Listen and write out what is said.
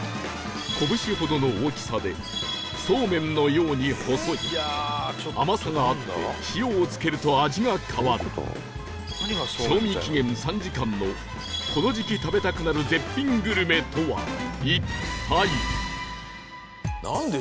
拳ほどの大きさでそうめんのように細い甘さがあって塩をつけると味が変わる賞味期限３時間のこの時期食べたくなる絶品グルメとは一体？